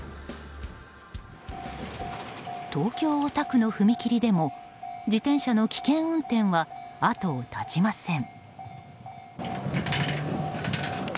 東京・大田区の踏切でも自動車の危険運転は後を絶ちません。